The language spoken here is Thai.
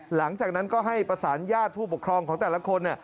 หลังจากนั้นก็ให้ประสานญาติผู้ปกครองของแต่ละคน